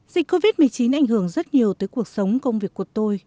dịch covid một mươi chín ảnh hưởng rất nhiều tới cuộc sống công việc của tôi